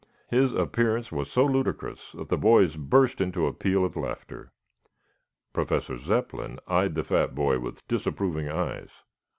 His appearance was so ludicrous that the boys burst into a peal of laughter. Professor Zepplin eyed the fat boy with disapproving eyes.